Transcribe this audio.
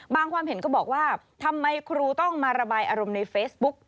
ความเห็นก็บอกว่าทำไมครูต้องมาระบายอารมณ์ในเฟซบุ๊ก